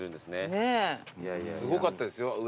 すごかったですよ